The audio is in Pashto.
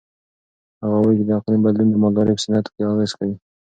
هغه وایي چې د اقلیم بدلون د مالدارۍ په صنعت ناوړه اغېز کړی.